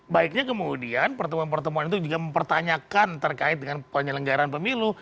baiknya kemudian pertemuan pertemuan itu juga mempertanyakan terkait dengan penyelenggaran pemilu